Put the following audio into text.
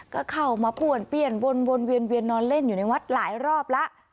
ก็เข้ามาป้วนเปี้ยนวนเวียนนอนเล่นอยู่ในวัดหลายรอบแล้ว